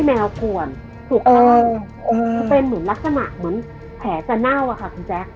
แมวขวนสุขลาดเป็นเหมือนลักษณะแผลจะเน่าค่ะคุณแจ๊ก